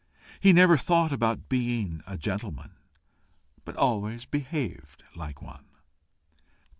He never thought about being a gentleman, but always behaved like one.